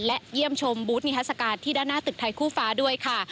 และเยี่ยมชมบูธนิทัศกาลที่ด้านหน้าตึกไทยคู่ฟ้าด้วยค่ะ